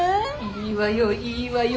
いいわよいいわよ